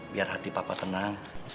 biar hati papa tenang